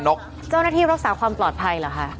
ของกำลังนกเจ้าหน้าที่รักษาความปลอดภัยเหรอค่ะ